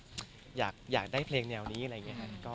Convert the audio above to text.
ก็พยายามคุยกับคนที่เป็นคนแต่งเพลงที่เราอยากได้เพลงแนวนี้